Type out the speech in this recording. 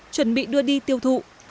chuẩn bị đưa đi tiêu thụ